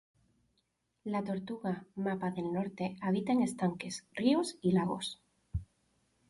La tortuga mapa del norte habita en estanques, ríos y lagos.